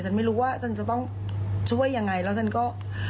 ไม่รู้ว่าฉันจะต้องช่วยยังไงแล้วฉันก็